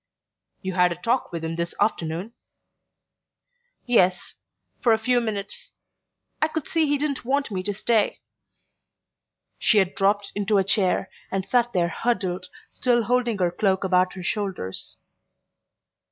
"You had a talk with him this afternoon?" "Yes: for a few minutes. I could see he didn't want me to stay." She had dropped into a chair, and sat there huddled, still holding her cloak about her shoulders.